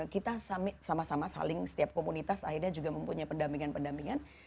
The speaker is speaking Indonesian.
kita sama sama saling setiap komunitas akhirnya juga mempunyai pendampingan pendampingan